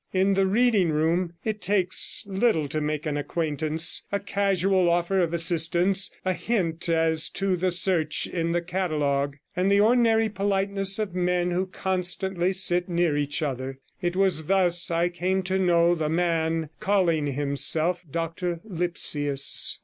In the Reading Room it takes little to make an acquaintance a casual offer of assistance, a hint as to the search in the catalogue, and the ordinary politeness of men who constantly sit near each other; it was thus I came to know the man calling himself Dr Lipsius.